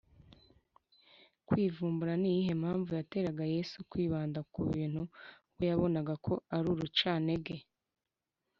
kwivumbura ni iyihe mpamvu yateraga yesu kwibanda ku bintu we yabonaga ko ari urucantege?